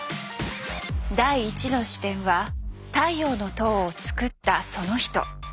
第１の視点は「太陽の塔」を作ったその人。